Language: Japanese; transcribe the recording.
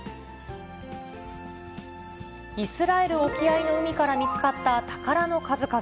イスラエル沖合の海から見つかった宝の数々。